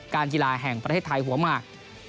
การกีฬาแห่งประเทศไทยหัวหมาก